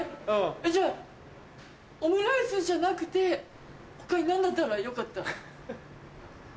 じゃあオムライスじゃなくて他に何だったらよかった？